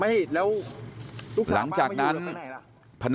ไม่แล้วลูกศาสตร์ป้ามาอยู่หรือไปไหนล่ะ